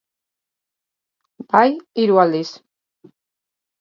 Bai, hiru aldiz.